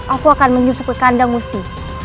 aku akan menyusup ke kandang musi